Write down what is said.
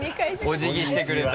お辞儀してくれた。